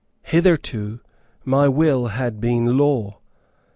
Hitherto my will had been law.